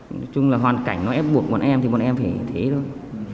nói chung là hoàn cảnh nó ép buộc bọn em thì bọn em phải thế thôi